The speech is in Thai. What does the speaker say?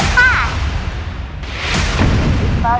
เกิน๕